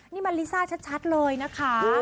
นี่มันลิซ่าชัดเลยนะคะ